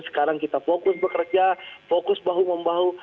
sekarang kita fokus bekerja fokus bahu membahu